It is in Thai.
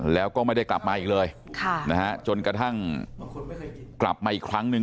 แล้วก็ไม่ได้กลับมาอีกเลยจนกระทั่งกลับมาอีกครั้งหนึ่ง